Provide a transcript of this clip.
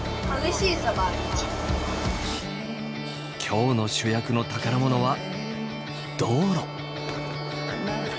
今日の主役の宝物は道路。